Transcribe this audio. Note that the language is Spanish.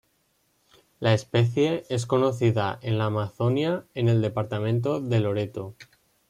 La especie es conocida en la Amazonia en el Departamento de Loreto.